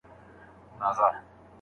کوي.